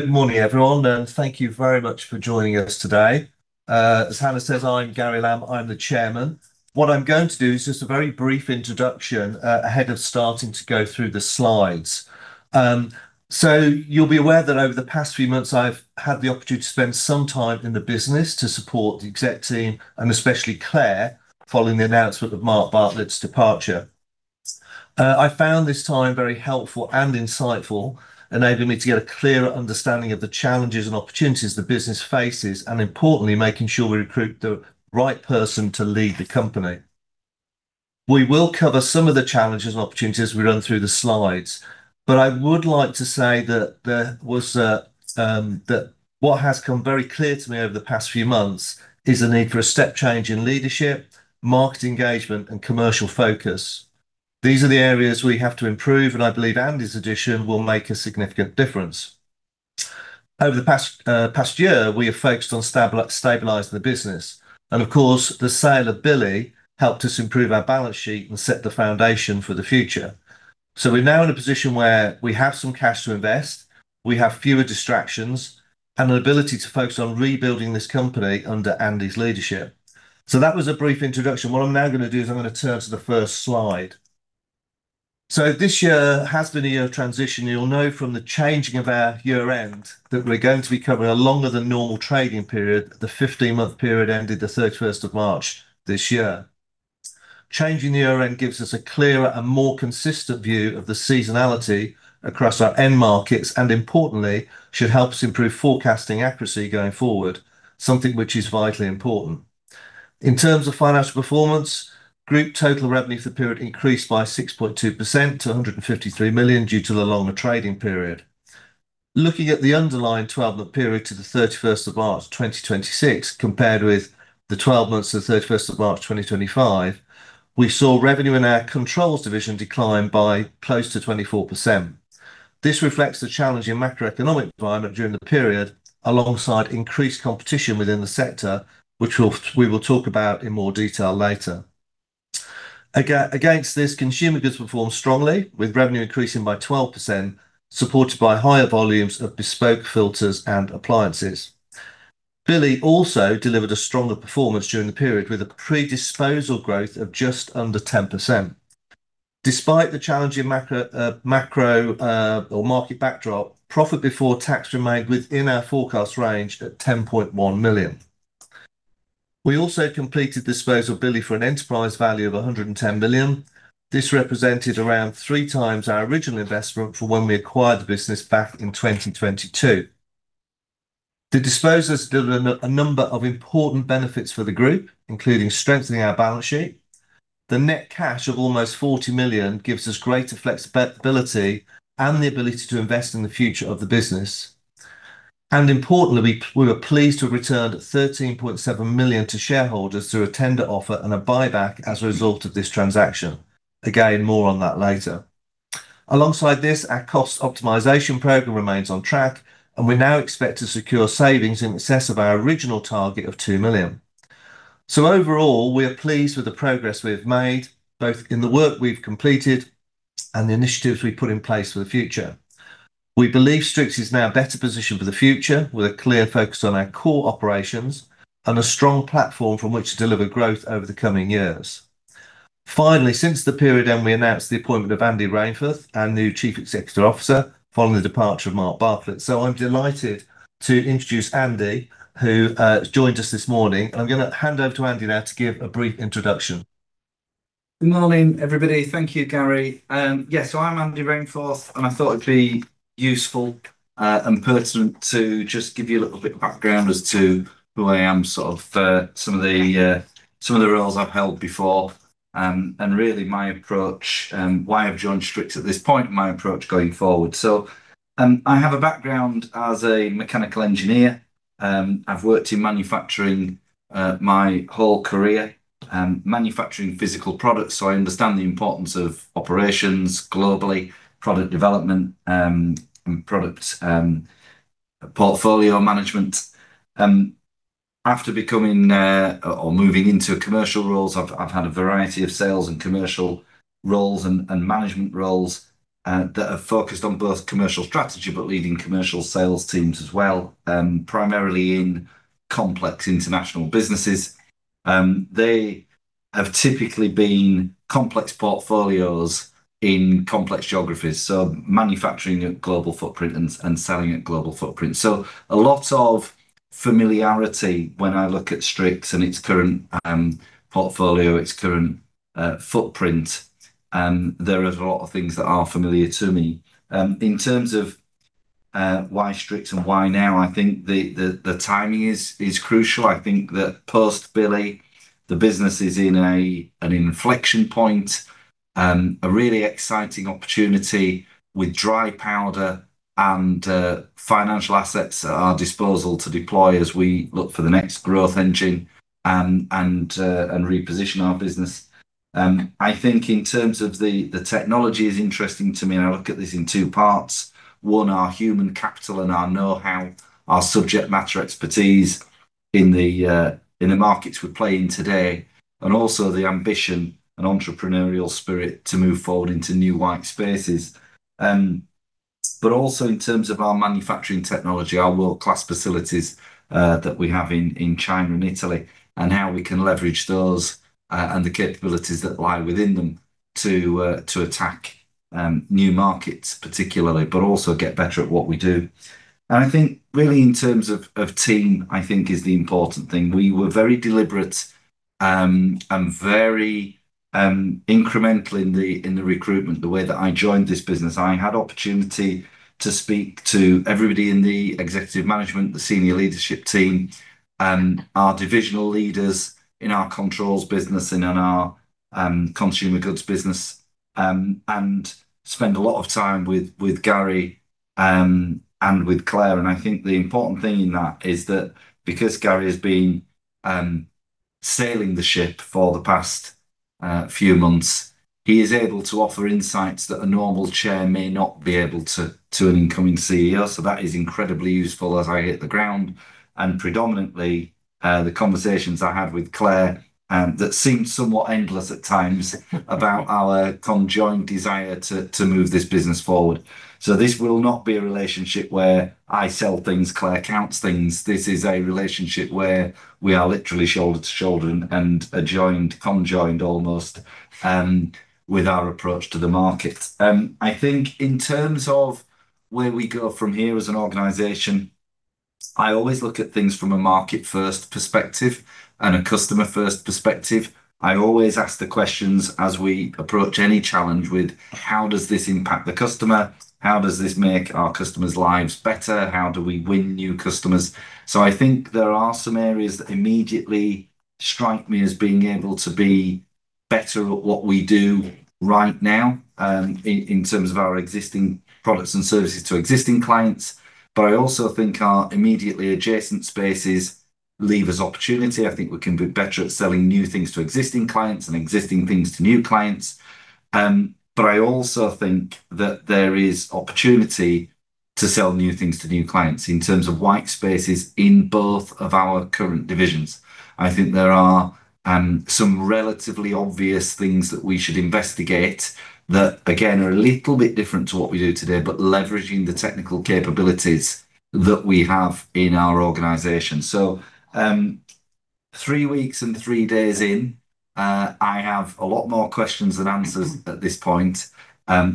Good morning, everyone, and thank you very much for joining us today. As Hannah says, I'm Gary Lamb. I'm the chairman. What I'm going to do is just a very brief introduction ahead of starting to go through the slides. You'll be aware that over the past few months, I've had the opportunity to spend some time in the business to support the exec team and especially Clare, following the announcement of Mark Bartlett's departure. I found this time very helpful and insightful, enabling me to get a clearer understanding of the challenges and opportunities the business faces, and importantly, making sure we recruit the right person to lead the company. We will cover some of the challenges and opportunities as we run through the slides, but I would like to say that what has come very clear to me over the past few months is the need for a step change in leadership, market engagement, and commercial focus. These are the areas we have to improve, and I believe Andy's addition will make a significant difference. Over the past year, we have focused on stabilizing the business, and of course, the sale of Billi helped us improve our balance sheet and set the foundation for the future. We're now in a position where we have some cash to invest, we have fewer distractions, and an ability to focus on rebuilding this company under Andy's leadership. That was a brief introduction. What I'm now going to do is I'm going to turn to the first slide. This year has been a year of transition. You'll know from the changing of our year end that we're going to be covering a longer than normal trading period. The 15-month period ended the 31st of March this year. Changing the year end gives us a clearer and more consistent view of the seasonality across our end markets, and importantly, should help us improve forecasting accuracy going forward, something which is vitally important. In terms of financial performance, group total revenue for the period increased by 6.2% to 153 million due to the longer trading period. Looking at the underlying 12-month period to the 31st of March 2026, compared with the 12 months to the 31st of March 2025, we saw revenue in our Controls division decline by close to 24%. This reflects the challenging macroeconomic environment during the period, alongside increased competition within the sector, which we will talk about in more detail later. Against this, Consumer Goods performed strongly, with revenue increasing by 12%, supported by higher volumes of bespoke filters and appliances. Billi also delivered a stronger performance during the period, with a pre-disposal growth of just under 10%. Despite the challenging market backdrop, profit before tax remained within our forecast range at 10.1 million. We also completed disposal of Billi for an enterprise value of 110 million. This represented around three times our original investment for when we acquired the business back in 2022. The disposal has delivered a number of important benefits for the group, including strengthening our balance sheet. The net cash of almost 40 million gives us greater flexibility and the ability to invest in the future of the business. Importantly, we were pleased to have returned 13.7 million to shareholders through a tender offer and a buyback as a result of this transaction. Again, more on that later. Alongside this, our cost optimization program remains on track, and we now expect to secure savings in excess of our original target of 2 million. Overall, we are pleased with the progress we've made, both in the work we've completed and the initiatives we've put in place for the future. We believe Strix is now better positioned for the future with a clear focus on our core operations and a strong platform from which to deliver growth over the coming years. Finally, since the period end, we announced the appointment of Andy Rainforth, our new Chief Executive Officer, following the departure of Mark Bartlett. I'm delighted to introduce Andy, who has joined us this morning. I'm going to hand over to Andy now to give a brief introduction. Good morning, everybody. Thank you, Gary. I'm Andy Rainforth, and I thought it'd be useful and pertinent to just give you a little bit of background as to who I am, sort of some of the roles I've held before, and really my approach, why I've joined Strix at this point, and my approach going forward. I have a background as a mechanical engineer. I've worked in manufacturing my whole career, manufacturing physical products, so I understand the importance of operations globally, product development, and product portfolio management. After becoming or moving into commercial roles, I've had a variety of sales and commercial roles and management roles that have focused on both commercial strategy but leading commercial sales teams as well, primarily in complex international businesses. They have typically been complex portfolios in complex geographies, so manufacturing a global footprint and selling a global footprint. A lot of familiarity when I look at Strix and its current portfolio, its current footprint. There are a lot of things that are familiar to me. In terms of why Strix and why now, the timing is crucial. Post Billi, the business is in an inflection point, a really exciting opportunity with dry powder and financial assets at our disposal to deploy as we look for the next growth engine and reposition our business. In terms of the technology is interesting to me, and I look at this in two parts. One, our human capital and our know-how, our subject matter expertise in the markets we play in today, and also the ambition and entrepreneurial spirit to move forward into new white spaces. Also in terms of our manufacturing technology, our world-class facilities that we have in China and Italy, and how we can leverage those and the capabilities that lie within them to attack new markets particularly, but also get better at what we do. I think really in terms of team, I think is the important thing. We were very deliberate and very incremental in the recruitment. The way that I joined this business, I had opportunity to speak to everybody in the executive management, the senior leadership team, and our divisional leaders in our Controls business and in our Consumer Goods business, and spend a lot of time with Gary and with Clare. I think the important thing in that is that because Gary has been sailing the ship for the past few months, he is able to offer insights that a normal chair may not be able to an incoming CEO. That is incredibly useful as I hit the ground and predominantly, the conversations I had with Clare, that seemed somewhat endless at times about our conjoined desire to move this business forward. This will not be a relationship where I sell things, Clare counts things. This is a relationship where we are literally shoulder to shoulder and conjoined almost, with our approach to the market. I think in terms of where we go from here as an organization, I always look at things from a market-first perspective and a customer-first perspective. I always ask the questions as we approach any challenge with, how does this impact the customer? How does this make our customers' lives better? How do we win new customers? I think there are some areas that immediately strike me as being able to be better at what we do right now, in terms of our existing products and services to existing clients. I also think our immediately adjacent spaces leave us opportunity. I think we can be better at selling new things to existing clients and existing things to new clients. I also think that there is opportunity to sell new things to new clients in terms of white spaces in both of our current divisions. I think there are some relatively obvious things that we should investigate that again, are a little bit different to what we do today, but leveraging the technical capabilities that we have in our organization. Three weeks and three days in, I have a lot more questions than answers at this point.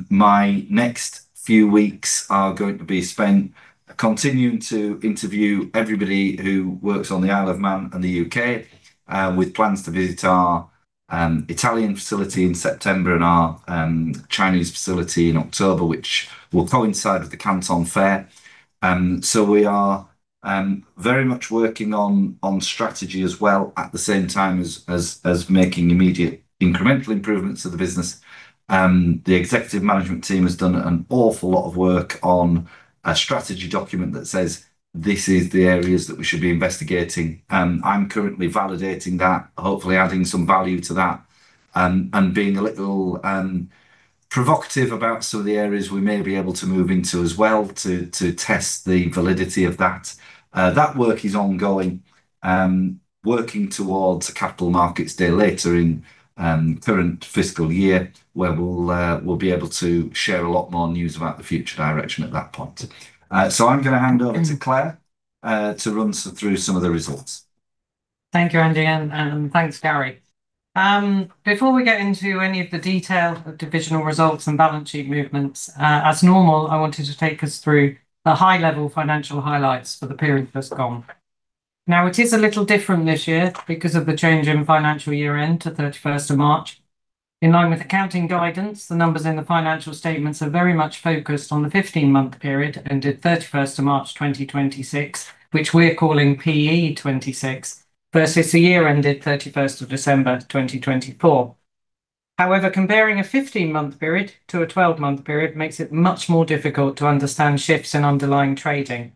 My next few weeks are going to be spent continuing to interview everybody who works on the Isle of Man and the U.K., with plans to visit our Italian facility in September and our Chinese facility in October, which will coincide with the Canton Fair. We are very much working on strategy as well at the same time as making immediate incremental improvements to the business. The executive management team has done an awful lot of work on a strategy document that says, "This is the areas that we should be investigating." I'm currently validating that, hopefully adding some value to that, and being a little provocative about some of the areas we may be able to move into as well to test the validity of that. That work is ongoing. Working towards Capital Markets Day later in current fiscal year, where we will be able to share a lot more news about the future direction at that point. I am going to hand over to Clare to run through some of the results. Thank you, Andy, and thanks, Gary. Before we get into any of the detail of divisional results and balance sheet movements, as normal, I wanted to take us through the high-level financial highlights for the period that has gone. It is a little different this year because of the change in financial year end to 31st of March. In line with accounting guidance, the numbers in the financial statements are very much focused on the 15-month period ended 31st of March 2026, which we are calling PE26, versus the year ended 31st of December 2024. However, comparing a 15-month period to a 12-month period makes it much more difficult to understand shifts in underlying trading.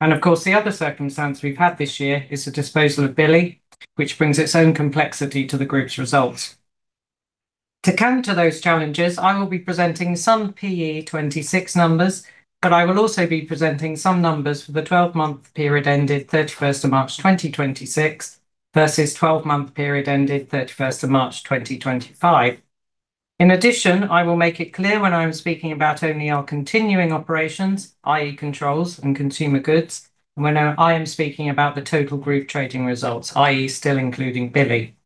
Of course, the other circumstance we have had this year is the disposal of Billi, which brings its own complexity to the group's results. To counter those challenges, I will be presenting some PE26 numbers, but I will also be presenting some numbers for the 12-month period ended 31st of March 2026 versus 12-month period ended 31st of March 2025. In addition, I will make it clear when I am speaking about only our continuing operations, i.e., Controls and Consumer Goods, and when I am speaking about the total group trading results, i.e., still including Billi.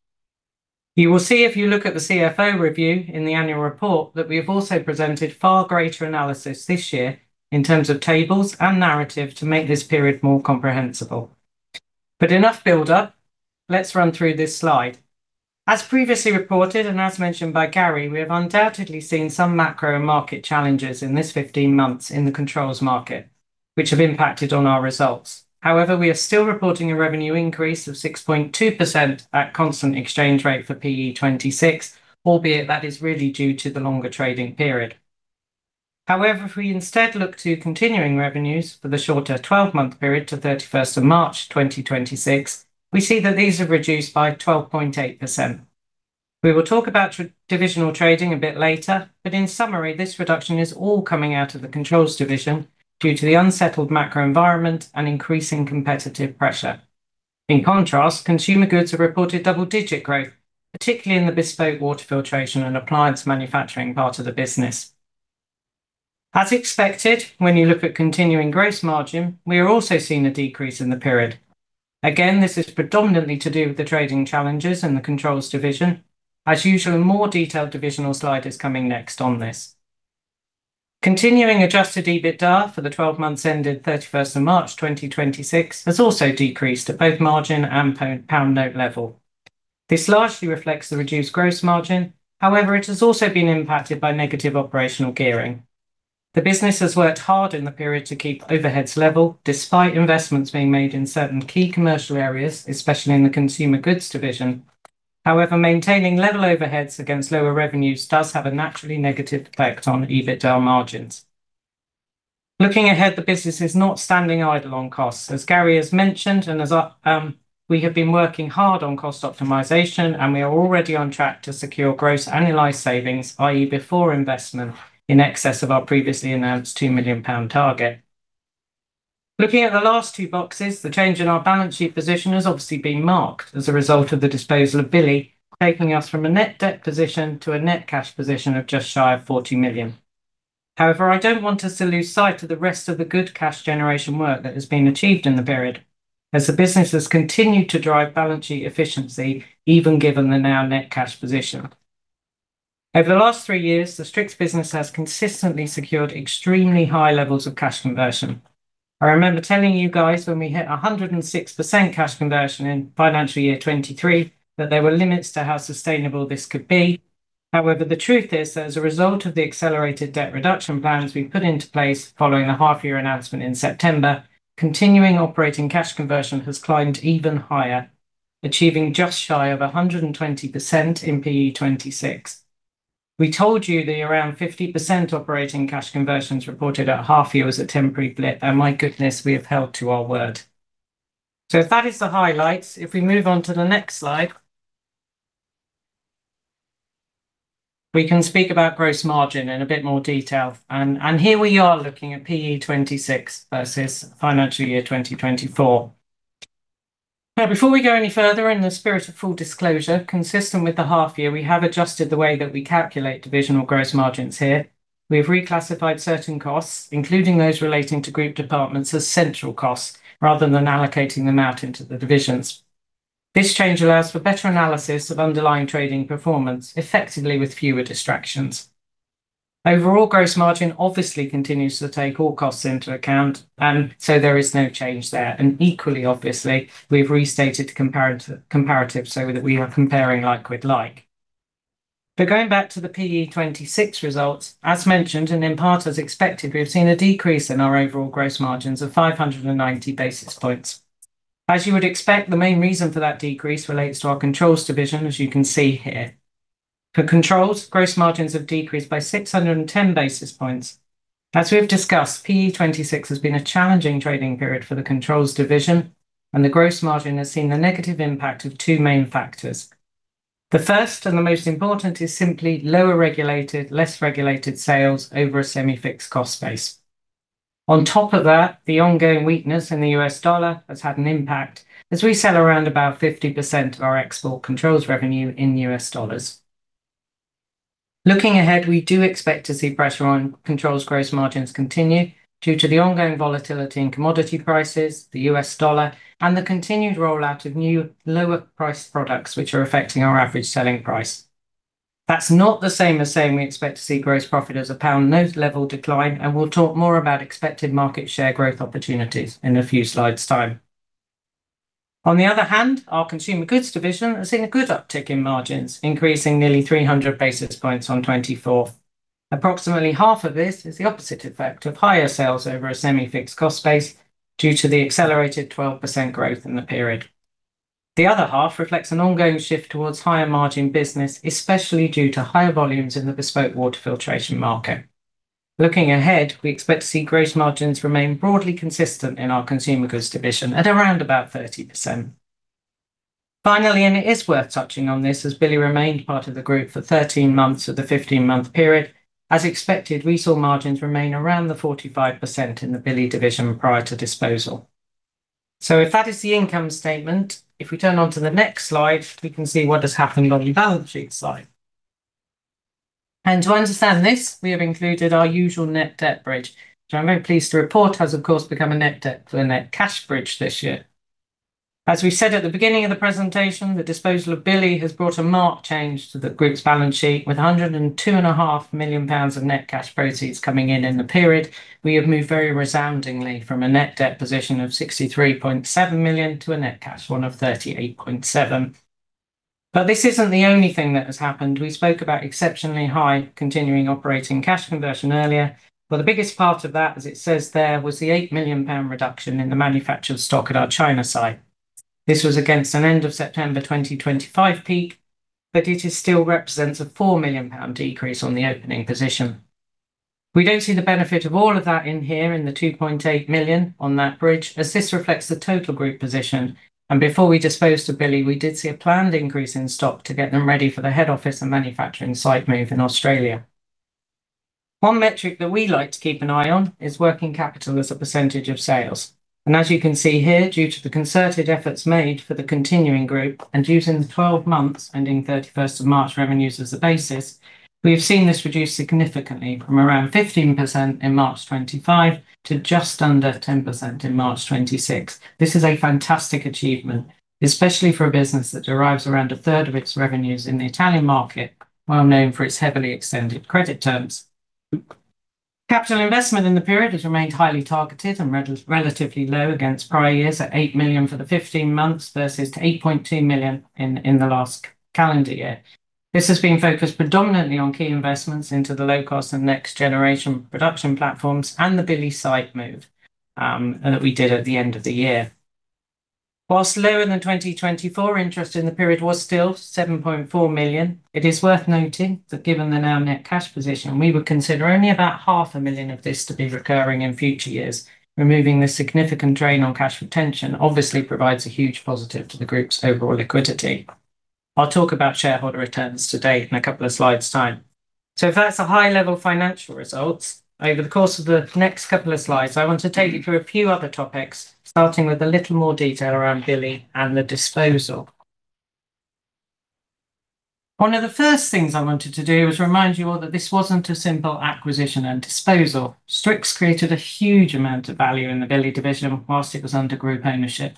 You will see if you look at the CFO review in the annual report that we have also presented far greater analysis this year in terms of tables and narrative to make this period more comprehensible. Enough buildup, let us run through this slide. As previously reported, and as mentioned by Gary, we have undoubtedly seen some macro and market challenges in this 15 months in the Controls market, which have impacted on our results. However, we are still reporting a revenue increase of 6.2% at constant exchange rate for PE26, albeit that is really due to the longer trading period. However, if we instead look to continuing revenues for the shorter 12-month period to 31st of March 2026, we see that these have reduced by 12.8%. We will talk about divisional trading a bit later, in summary, this reduction is all coming out of the Controls division due to the unsettled macro environment and increasing competitive pressure. In contrast, Consumer Goods have reported double digit growth, particularly in the bespoke water filtration and appliance manufacturing part of the business. As expected, when you look at continuing gross margin, we are also seeing a decrease in the period. Again, this is predominantly to do with the trading challenges in the Controls division. As usual, a more detailed divisional slide is coming next on this. Continuing adjusted EBITDA for the 12 months ending 31st of March 2026 has also decreased at both margin and pound note level. This largely reflects the reduced gross margin, however, it has also been impacted by negative operational gearing. The business has worked hard in the period to keep overheads level, despite investments being made in certain key commercial areas, especially in the Consumer Goods division. Maintaining level overheads against lower revenues does have a naturally negative effect on EBITDA margins. Looking ahead, the business is not standing idle on costs. As Gary has mentioned, and as we have been working hard on cost optimization, and we are already on track to secure gross annualized savings, i.e. before investment, in excess of our previously announced 2 million pound target. Looking at the last two boxes, the change in our balance sheet position has obviously been marked as a result of the disposal of Billi, taking us from a net debt position to a net cash position of just shy of 40 million. I don't want us to lose sight of the rest of the good cash generation work that has been achieved in the period, as the business has continued to drive balance sheet efficiency, even given the now net cash position. Over the last three years, the Strix business has consistently secured extremely high levels of cash conversion. I remember telling you guys when we hit 106% cash conversion in FY 2023, that there were limits to how sustainable this could be. The truth is that as a result of the accelerated debt reduction plans we've put into place following the half year announcement in September, continuing operating cash conversion has climbed even higher, achieving just shy of 120% in PE26. We told you that your around 50% operating cash conversions reported at half year was a temporary blip, and my goodness, we have held to our word. That is the highlights. If we move on to the next slide, we can speak about gross margin in a bit more detail. Here we are looking at PE26 versus FY 2024. Before we go any further, in the spirit of full disclosure, consistent with the half year, we have adjusted the way that we calculate divisional gross margins here. We have reclassified certain costs, including those relating to group departments as central costs rather than allocating them out into the divisions. This change allows for better analysis of underlying trading performance effectively with fewer distractions. Overall gross margin obviously continues to take all costs into account, there is no change there. Equally obviously, we've restated comparatives so that we are comparing like with like. Going back to the PE26 results, as mentioned and in part as expected, we have seen a decrease in our overall gross margins of 590 basis points. As you would expect, the main reason for that decrease relates to our Controls division, as you can see here. For Controls, gross margins have decreased by 610 basis points. As we have discussed, PE26 has been a challenging trading period for the Controls division, and the gross margin has seen the negative impact of two main factors. The first and the most important is simply lower regulated, less regulated sales over a semi-fixed cost base. On top of that, the ongoing weakness in the U.S. dollar has had an impact as we sell around about 50% of our export Controls revenue in U.S. dollars. Looking ahead, we do expect to see pressure on Controls gross margins continue due to the ongoing volatility in commodity prices, the U.S. dollar, and the continued rollout of new lower priced products, which are affecting our average selling price. That's not the same as saying we expect to see gross profit as a pound note level decline, and we'll talk more about expected market share growth opportunities in a few slides' time. On the other hand, our Consumer Goods division has seen a good uptick in margins, increasing nearly 300 basis points on 2024. Approximately half of this is the opposite effect of higher sales over a semi-fixed cost base due to the accelerated 12% growth in the period. The other half reflects an ongoing shift towards higher margin business, especially due to higher volumes in the bespoke water filtration market. Looking ahead, we expect to see gross margins remain broadly consistent in our Consumer Goods division at around about 30%. Finally, it is worth touching on this, as Billi remained part of the group for 13 months of the 15-month period, as expected, we saw margins remain around the 45% in the Billi division prior to disposal. If that is the income statement, if we turn on to the next slide, we can see what has happened on the balance sheet side. To understand this, we have included our usual net debt bridge, which I'm very pleased to report has of course become a net debt for the net cash bridge this year. As we said at the beginning of the presentation, the disposal of Billi has brought a marked change to the group's balance sheet. With 102.5 million pounds of net cash proceeds coming in in the period, we have moved very resoundingly from a net debt position of 63.7 million to a net cash one of 38.7 million. This isn't the only thing that has happened. We spoke about exceptionally high continuing operating cash conversion earlier, the biggest part of that, as it says there, was the 8 million pound reduction in the manufactured stock at our China site. This was against an end of September 2025 peak, it still represents a 4 million pound decrease on the opening position. We don't see the benefit of all of that in here in the 2.8 million on that bridge, as this reflects the total group position. Before we disposed to Billi, we did see a planned increase in stock to get them ready for the head office and manufacturing site move in Australia. One metric that we like to keep an eye on is working capital as a percentage of sales. As you can see here, due to the concerted efforts made for the continuing group and using the 12 months ending 31st of March revenues as a basis, we have seen this reduce significantly from around 15% in March 2025 to just under 10% in March 2026. This is a fantastic achievement, especially for a business that derives around a third of its revenues in the Italian market, well known for its heavily extended credit terms. Capital investment in the period has remained highly targeted and relatively low against prior years at 8 million for the 15 months versus 8.2 million in the last calendar year. This has been focused predominantly on key investments into the low cost and next generation production platforms and the Billi site move that we did at the end of the year. Whilst lower than 2024 interest in the period was still 7.4 million, it is worth noting that given the now net cash position, we would consider only about half a million of this to be recurring in future years. Removing this significant drain on cash retention obviously provides a huge positive to the group's overall liquidity. I'll talk about shareholder returns to date in a couple of slides' time. If that's the high-level financial results, over the course of the next couple of slides, I want to take you through a few other topics, starting with a little more detail around Billi and the disposal. One of the first things I wanted to do is remind you all that this wasn't a simple acquisition and disposal. Strix created a huge amount of value in the Billi division whilst it was under group ownership.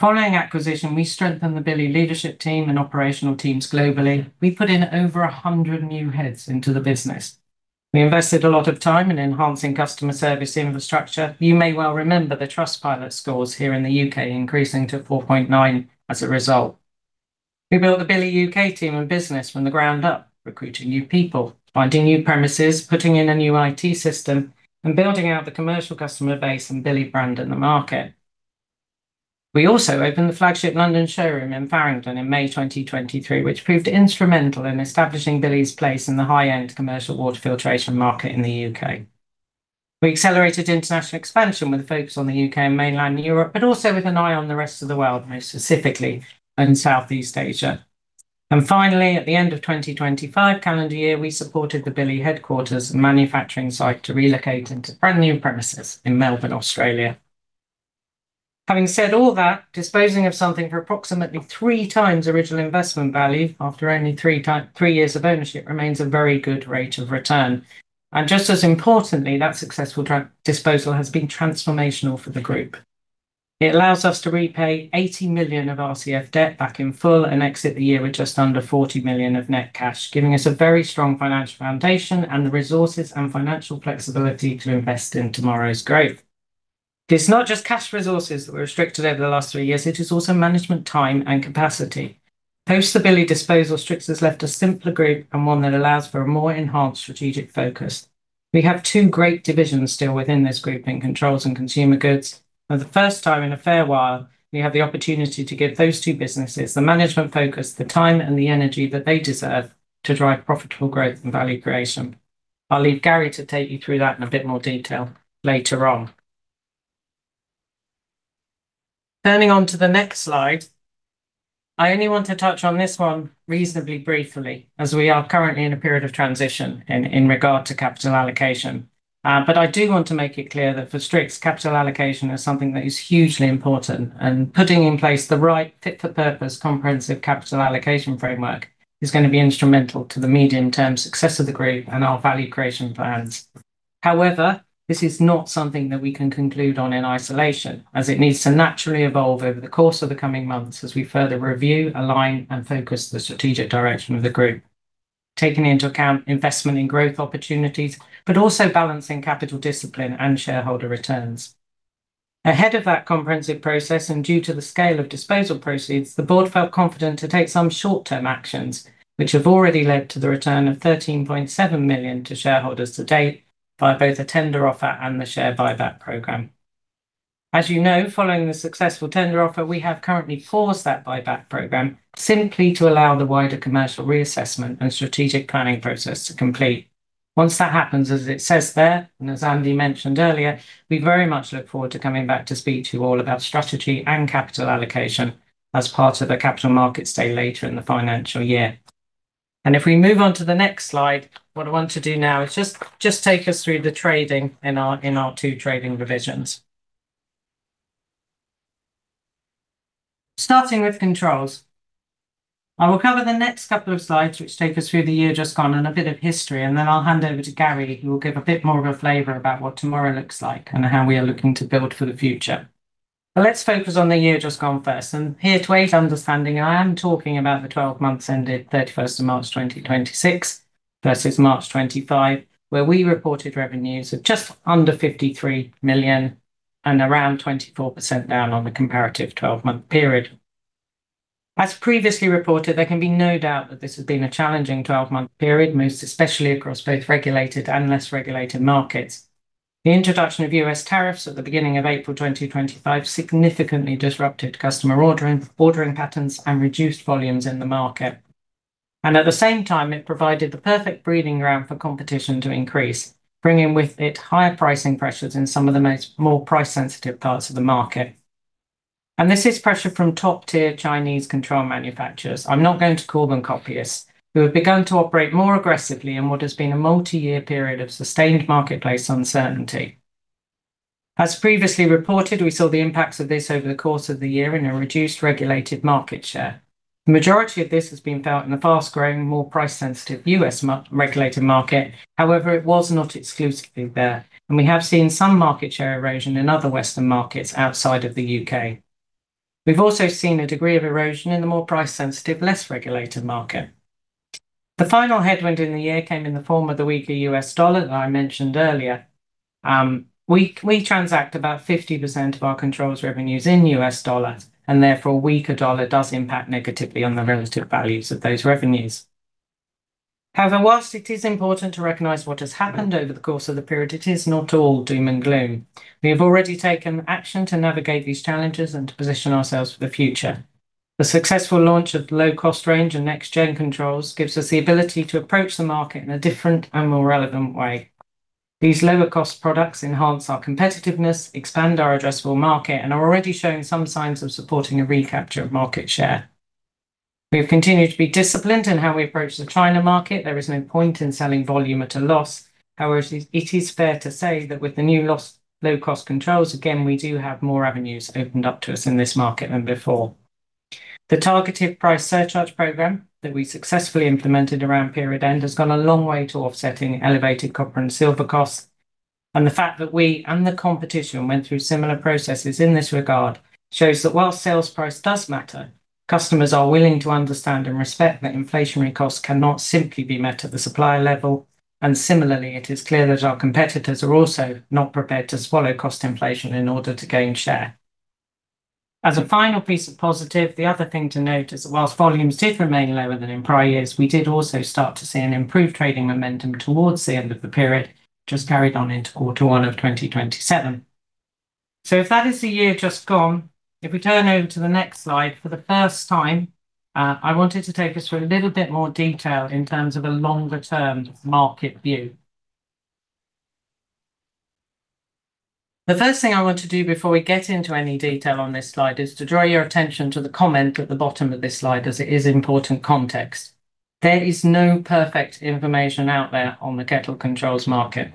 Following acquisition, we strengthened the Billi leadership team and operational teams globally. We put in over 100 new heads into the business. We invested a lot of time in enhancing customer service infrastructure. You may well remember the Trustpilot scores here in the U.K. increasing to 4.9 as a result. We built the Billi U.K. team and business from the ground up, recruiting new people, finding new premises, putting in a new IT system, and building out the commercial customer base and Billi brand in the market. We also opened the flagship London showroom in Farringdon in May 2023, which proved instrumental in establishing Billi's place in the high-end commercial water filtration market in the U.K. We accelerated international expansion with a focus on the U.K. and mainland Europe, but also with an eye on the rest of the world, most specifically in Southeast Asia. Finally, at the end of 2025 calendar year, we supported the Billi headquarters manufacturing site to relocate into brand new premises in Melbourne, Australia. Having said all that, disposing of something for approximately three times the original investment value after only three years of ownership remains a very good rate of return. Just as importantly, that successful disposal has been transformational for the group. It allows us to repay 80 million of RCF debt back in full and exit the year with just under 40 million of net cash, giving us a very strong financial foundation and the resources and financial flexibility to invest in tomorrow's growth. It's not just cash resources that were restricted over the last three years, it is also management time and capacity. Post the Billi disposal, Strix has left a simpler group and one that allows for a more enhanced strategic focus. We have two great divisions still within this group in Controls and Consumer Goods. For the first time in a fair while, we have the opportunity to give those two businesses the management focus, the time, and the energy that they deserve to drive profitable growth and value creation. I will leave Gary to take you through that in a bit more detail later on. Turning onto the next slide, I only want to touch on this one reasonably briefly as we are currently in a period of transition in regard to capital allocation. I do want to make it clear that for Strix, capital allocation is something that is hugely important, and putting in place the right fit for purpose comprehensive capital allocation framework is going to be instrumental to the medium-term success of the group and our value creation plans. However, this is not something that we can conclude on in isolation as it needs to naturally evolve over the course of the coming months as we further review, align, and focus the strategic direction of the group. Taking into account investment in growth opportunities, but also balancing capital discipline and shareholder returns. Ahead of that comprehensive process and due to the scale of disposal proceeds, the board felt confident to take some short-term actions, which have already led to the return of 13.7 million to shareholders to date via both a tender offer and the share buyback program. As you know, following the successful tender offer, we have currently paused that buyback program simply to allow the wider commercial reassessment and strategic planning process to complete. Once that happens, as it says there, and as Andy mentioned earlier, we very much look forward to coming back to speak to you all about strategy and capital allocation as part of a Capital Markets Day later in the financial year. If we move on to the next slide, what I want to do now is just take us through the trading in our two trading divisions. Starting with Controls. I will cover the next couple of slides, which take us through the year just gone and a bit of history, and then I will hand over to Gary, who will give a bit more of a flavor about what tomorrow looks like and how we are looking to build for the future. Let's focus on the year just gone first, and here to aid understanding, I am talking about the 12 months ended 31st of March 2026 versus March 2025, where we reported revenues of just under 53 million and around 24% down on the comparative 12-month period. As previously reported, there can be no doubt that this has been a challenging 12-month period, most especially across both regulated and less regulated markets. The introduction of U.S. tariffs at the beginning of April 2025 significantly disrupted customer ordering patterns and reduced volumes in the market. At the same time, it provided the perfect breeding ground for competition to increase, bringing with it higher pricing pressures in some of the more price-sensitive parts of the market. This is pressure from top-tier Chinese control manufacturers, I am not going to call them copyists, who have begun to operate more aggressively in what has been a multi-year period of sustained marketplace uncertainty. As previously reported, we saw the impacts of this over the course of the year in a reduced regulated market share. The majority of this has been felt in the fast-growing, more price-sensitive U.S. regulated market. However, it was not exclusively there, and we have seen some market share erosion in other Western markets outside of the U.K. We have also seen a degree of erosion in the more price-sensitive, less regulated market. The final headwind in the year came in the form of the weaker U.S. dollar that I mentioned earlier. We transact about 50% of our Controls revenues in U.S. dollars, therefore a weaker dollar does impact negatively on the relative values of those revenues. Whilst it is important to recognize what has happened over the course of the period, it is not all doom and gloom. We have already taken action to navigate these challenges and to position ourselves for the future. The successful launch of low-cost range and next-gen Controls gives us the ability to approach the market in a different and more relevant way. These lower-cost products enhance our competitiveness, expand our addressable market, and are already showing some signs of supporting a recapture of market share. We have continued to be disciplined in how we approach the China market. There is no point in selling volume at a loss. It is fair to say that with the new low-cost Controls, again, we do have more avenues opened up to us in this market than before. The targeted price surcharge program that we successfully implemented around period end has gone a long way to offsetting elevated copper and silver costs. The fact that we and the competition went through similar processes in this regard shows that whilst sales price does matter, customers are willing to understand and respect that inflationary costs cannot simply be met at the supplier level. Similarly, it is clear that our competitors are also not prepared to swallow cost inflation in order to gain share. As a final piece of positive, the other thing to note is that whilst volumes did remain lower than in prior years, we did also start to see an improved trading momentum towards the end of the period, which has carried on into quarter 1 of 2027. If that is the year just gone, if we turn over to the next slide for the first time, I wanted to take us through a little bit more detail in terms of a longer-term market view. The first thing I want to do before we get into any detail on this slide is to draw your attention to the comment at the bottom of this slide as it is important context. There is no perfect information out there on the kettle Controls market.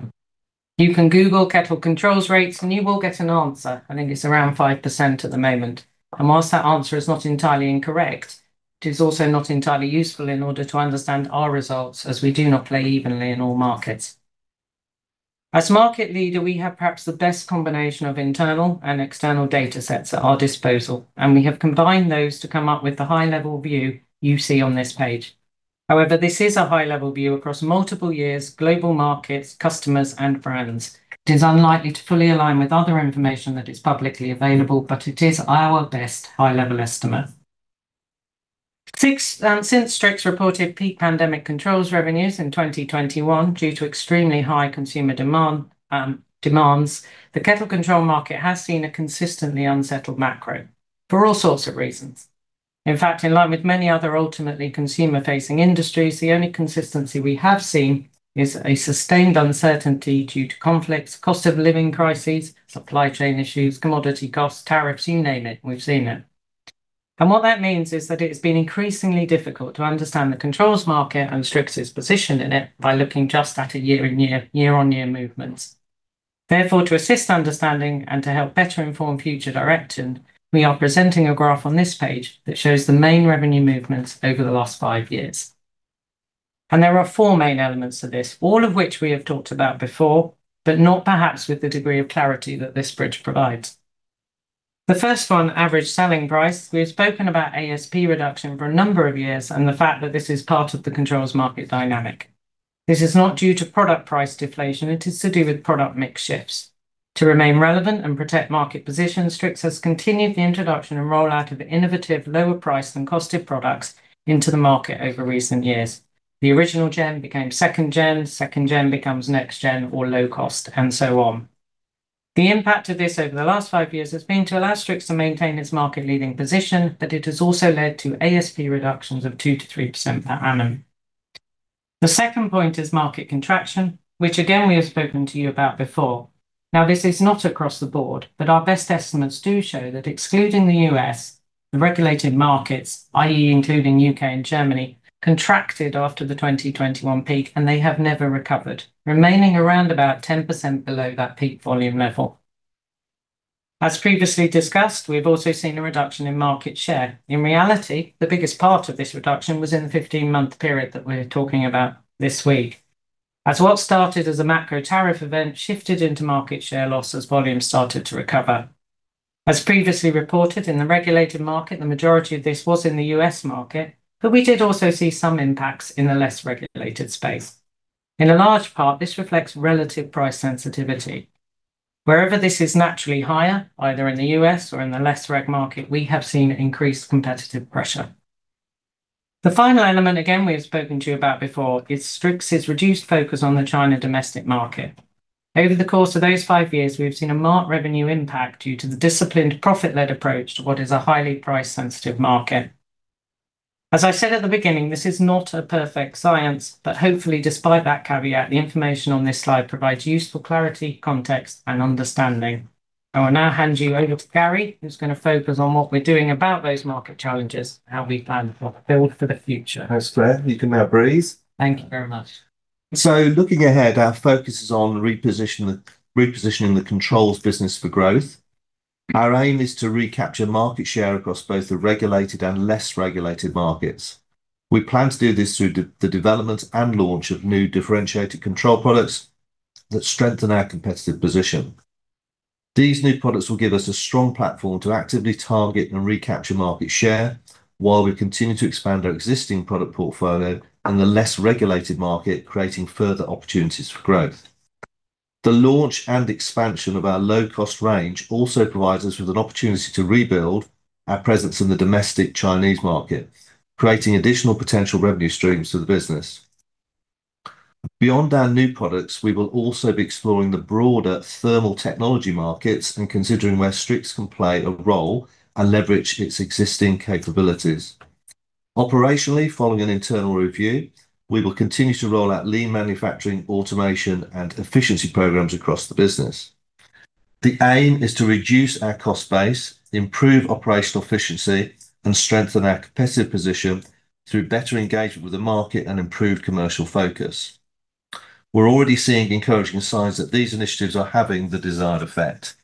You can Google kettle Controls rates and you will get an answer. I think it's around 5% at the moment. Whilst that answer is not entirely incorrect, it is also not entirely useful in order to understand our results as we do not play evenly in all markets. As market leader, we have perhaps the best combination of internal and external data sets at our disposal, and we have combined those to come up with the high-level view you see on this page. However, this is a high-level view across multiple years, global markets, customers, and brands. It is unlikely to fully align with other information that is publicly available, but it is our best high-level estimate. Since Strix reported peak pandemic Controls revenues in 2021 due to extremely high consumer demands, the kettle control market has seen a consistently unsettled macro for all sorts of reasons. In fact, in line with many other ultimately consumer-facing industries, the only consistency we have seen is a sustained uncertainty due to conflicts, cost of living crises, supply chain issues, commodity costs, tariffs, you name it, we've seen it. What that means is that it's been increasingly difficult to understand the Controls market and Strix's position in it by looking just at a year-on-year movements. Therefore, to assist understanding and to help better inform future direction, we are presenting a graph on this page that shows the main revenue movements over the last five years. There are four main elements to this, all of which we have talked about before, but not perhaps with the degree of clarity that this bridge provides. The first one, average selling price. We have spoken about ASP reduction for a number of years and the fact that this is part of the Controls market dynamic. This is not due to product price deflation, it is to do with product mix shifts. To remain relevant and protect market position, Strix has continued the introduction and rollout of innovative, lower price than cost of products into the market over recent years. The original gen became second gen, second gen becomes next gen or low cost, and so on. The impact of this over the last five years has been to allow Strix to maintain its market-leading position, but it has also led to ASP reductions of 2%-3% per annum. The second point is market contraction, which again, we have spoken to you about before. Now, this is not across the board, but our best estimates do show that excluding the U.S., the regulated markets, i.e., including U.K. and Germany, contracted after the 2021 peak, and they have never recovered, remaining around about 10% below that peak volume level. As previously discussed, we've also seen a reduction in market share. In reality, the biggest part of this reduction was in the 15-month period that we're talking about this week. What started as a macro tariff event shifted into market share loss as volumes started to recover. Previously reported in the regulated market, the majority of this was in the U.S. market, but we did also see some impacts in the less regulated space. In a large part, this reflects relative price sensitivity. Wherever this is naturally higher, either in the U.S. or in the less reg market, we have seen increased competitive pressure. The final element, again, we have spoken to you about before, is Strix's reduced focus on the China domestic market. Over the course of those five years, we've seen a marked revenue impact due to the disciplined profit-led approach to what is a highly price sensitive market. As I said at the beginning, this is not a perfect science, but hopefully, despite that caveat, the information on this slide provides useful clarity, context, and understanding. I will now hand you over to Gary, who's going to focus on what we're doing about those market challenges and how we plan to build for the future. Thanks, Clare. You can now breathe. Thank you very much. Looking ahead, our focus is on repositioning the Controls business for growth. Our aim is to recapture market share across both the regulated and less regulated markets. We plan to do this through the development and launch of new differentiated control products that strengthen our competitive position. These new products will give us a strong platform to actively target and recapture market share while we continue to expand our existing product portfolio and the less regulated market, creating further opportunities for growth. The launch and expansion of our low-cost range also provides us with an opportunity to rebuild our presence in the domestic Chinese market, creating additional potential revenue streams to the business. Beyond our new products, we will also be exploring the broader thermal technology markets and considering where Strix can play a role and leverage its existing capabilities. Operationally, following an internal review, we will continue to roll out lean manufacturing, automation, and efficiency programs across the business. The aim is to reduce our cost base, improve operational efficiency, and strengthen our competitive position through better engagement with the market and improved commercial focus. We are already seeing encouraging signs that these initiatives are having the desired effect.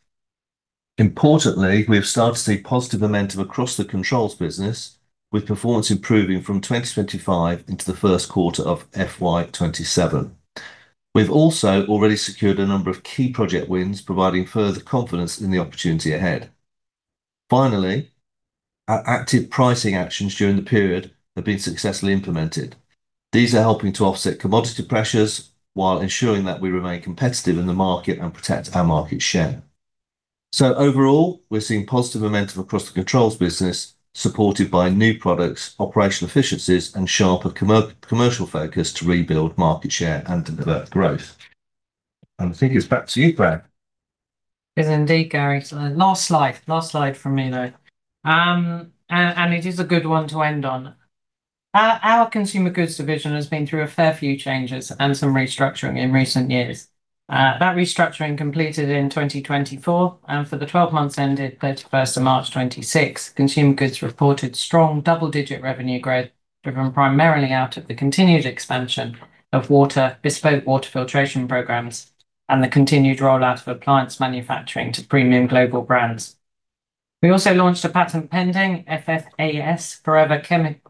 Importantly, we have started to see positive momentum across the Controls business, with performance improving from 2025 into the first quarter of FY 2027. We have also already secured a number of key project wins providing further confidence in the opportunity ahead. Finally, our active pricing actions during the period have been successfully implemented. These are helping to offset commodity pressures while ensuring that we remain competitive in the market and protect our market share. Overall, we are seeing positive momentum across the Controls business supported by new products, operational efficiencies, and sharper commercial focus to rebuild market share and deliver growth. I think it is back to you, Clare. It is indeed, Gary. Last slide from me, though. It is a good one to end on. Our Consumer Goods division has been through a fair few changes and some restructuring in recent years. That restructuring completed in 2024, and for the 12 months ended 31st of March 2026, Consumer Goods reported strong double-digit revenue growth driven primarily out of the continued expansion of bespoke water filtration programs and the continued rollout of appliance manufacturing to premium global brands. We also launched a patent-pending PFAS forever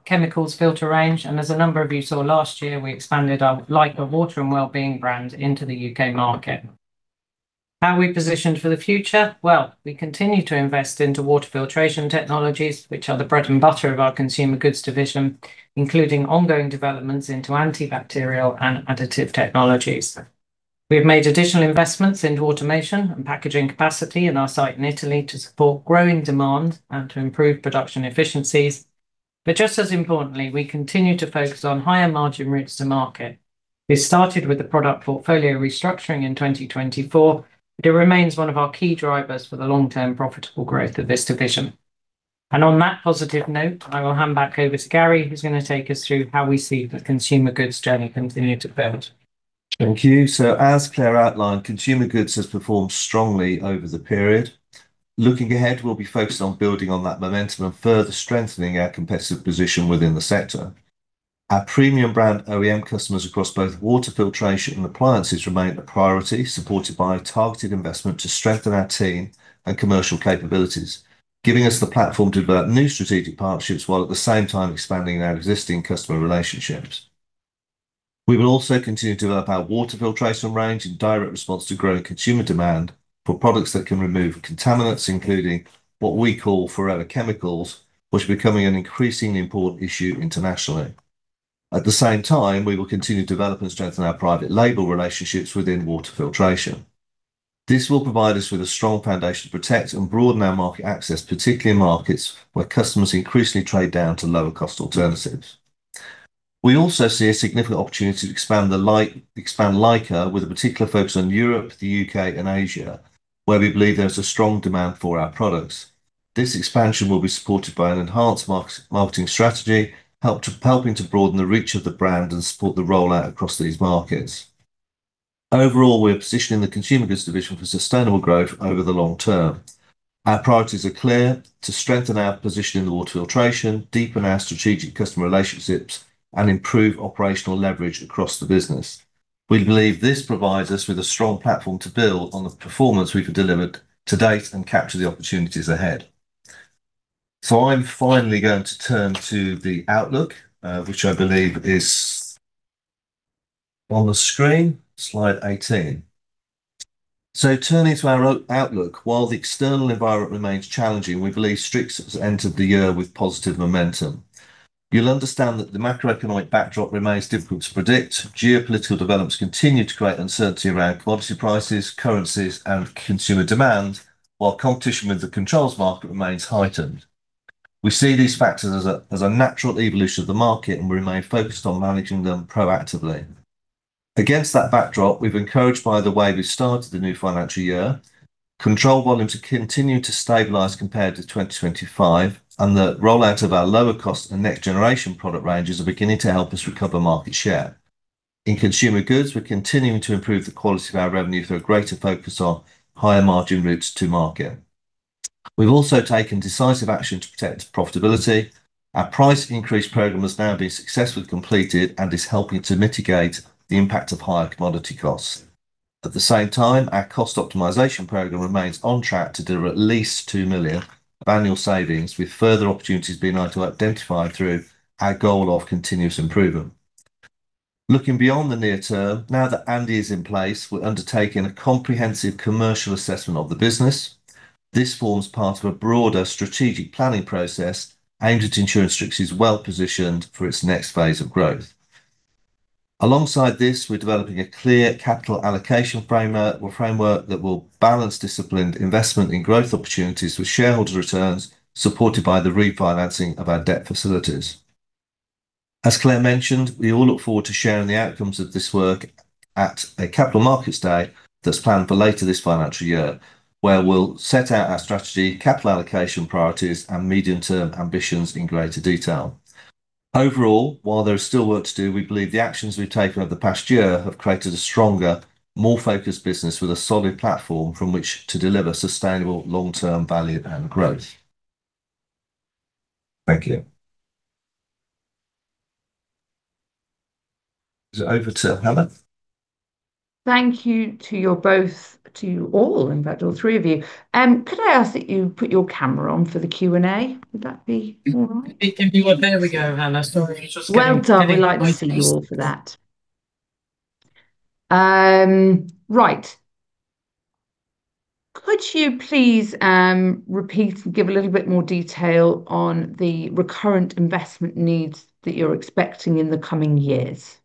chemicals filter range, and as a number of you saw last year, we expanded our LAICA water and wellbeing brand into the U.K. market. How are we positioned for the future? We continue to invest into water filtration technologies, which are the bread and butter of our Consumer Goods division, including ongoing developments into antibacterial and additive technologies. We have made additional investments into automation and packaging capacity in our site in Italy to support growing demand and to improve production efficiencies. Just as importantly, we continue to focus on higher margin routes to market. We started with the product portfolio restructuring in 2024, but it remains one of our key drivers for the long-term profitable growth of this division. On that positive note, I will hand back over to Gary, who is going to take us through how we see the Consumer Goods journey continue to build. Thank you. As Clare outlined, Consumer Goods has performed strongly over the period. Looking ahead, we'll be focused on building on that momentum and further strengthening our competitive position within the sector. Our premium brand OEM customers across both water filtration and appliances remain the priority, supported by a targeted investment to strengthen our team and commercial capabilities, giving us the platform to develop new strategic partnerships while at the same time expanding our existing customer relationships. We will also continue to develop our water filtration range in direct response to growing consumer demand for products that can remove contaminants, including what we call forever chemicals, which are becoming an increasingly important issue internationally. At the same time, we will continue to develop and strengthen our private label relationships within water filtration. This will provide us with a strong foundation to protect and broaden our market access, particularly in markets where customers increasingly trade down to lower cost alternatives. We also see a significant opportunity to expand LAICA with a particular focus on Europe, the U.K., and Asia, where we believe there is a strong demand for our products. This expansion will be supported by an enhanced marketing strategy, helping to broaden the reach of the brand and support the rollout across these markets. Overall, we're positioning the Consumer Goods division for sustainable growth over the long term. Our priorities are clear: to strengthen our position in the water filtration, deepen our strategic customer relationships, and improve operational leverage across the business. We believe this provides us with a strong platform to build on the performance we've delivered to date and capture the opportunities ahead. I'm finally going to turn to the outlook which I believe is on the screen, slide 18. Turning to our outlook, while the external environment remains challenging, we believe Strix has entered the year with positive momentum. You'll understand that the macroeconomic backdrop remains difficult to predict. Geopolitical developments continue to create uncertainty around commodity prices, currencies, and consumer demand, while competition with the Controls market remains heightened. We see these factors as a natural evolution of the market, and we remain focused on managing them proactively. Against that backdrop, we're encouraged by the way we've started the new financial year. Controls volumes are continuing to stabilize compared to 2025, and the rollout of our lower cost and next generation product ranges are beginning to help us recover market share. In Consumer Goods, we're continuing to improve the quality of our revenue through a greater focus on higher margin routes to market. We've also taken decisive action to protect profitability. Our price increase program has now been successfully completed and is helping to mitigate the impact of higher commodity costs. At the same time, our cost optimization program remains on track to deliver at least 2 million of annual savings, with further opportunities being identified through our goal of continuous improvement. Looking beyond the near term, now that Andy is in place, we're undertaking a comprehensive commercial assessment of the business. This forms part of a broader strategic planning process aimed at ensuring Strix is well positioned for its next phase of growth. Alongside this, we're developing a clear capital allocation framework that will balance disciplined investment in growth opportunities with shareholder returns, supported by the refinancing of our debt facilities. As Clare mentioned, we all look forward to sharing the outcomes of this work at a Capital Markets Day that's planned for later this financial year, where we'll set out our strategy, capital allocation priorities and medium-term ambitions in greater detail. Overall, while there is still work to do, we believe the actions we've taken over the past year have created a stronger, more focused business with a solid platform from which to deliver sustainable long-term value and growth. Thank you. Is it over to Hannah? Thank you to your both, to you all, in fact, all three of you. Could I ask that you put your camera on for the Q&A? Would that be all right? It can be. There we go, Hannah. Sorry. Well done. We like to see you all for that. Right. Could you please repeat and give a little bit more detail on the recurrent investment needs that you're expecting in the coming years?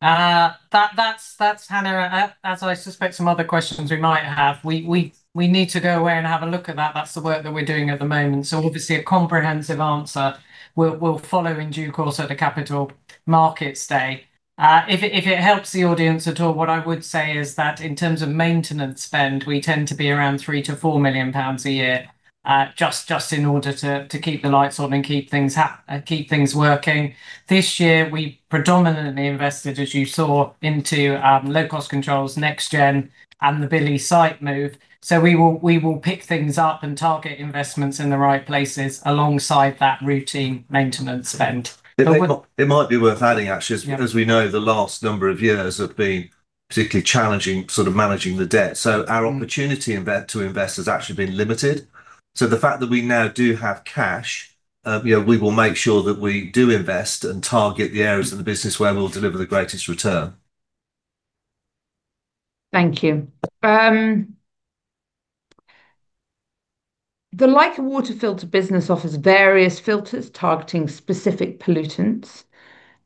That's, Hannah, as I suspect some other questions we might have, we need to go away and have a look at that. That's the work that we're doing at the moment. Obviously a comprehensive answer will follow in due course at a Capital Markets Day. If it helps the audience at all, what I would say is that in terms of maintenance spend, we tend to be around 3 million-4 million pounds a year, just in order to keep the lights on and keep things working. This year, we predominantly invested, as you saw, into low-cost Controls, next gen, and the Billi site move. We will pick things up and target investments in the right places alongside that routine maintenance spend. It might be worth adding, actually. Yeah. As we know, the last number of years have been particularly challenging sort of managing the debt. Our opportunity to invest has actually been limited. The fact that we now do have cash, we will make sure that we do invest and target the areas of the business where we'll deliver the greatest return. Thank you. The LAICA water filter business offers various filters targeting specific pollutants.